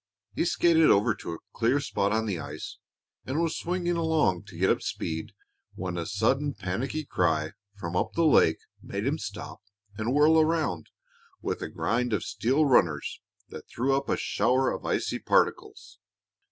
He skated over to a clear spot on the ice and was swinging along to get up speed when a sudden panicky cry from up the lake made him stop and whirl around with a grind of steel runners that threw up a shower of icy particles.